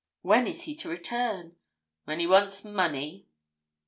'When is he to return?' 'When he wants money.'